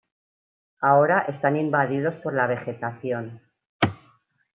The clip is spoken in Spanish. Ahora están invadidos por la vegetación.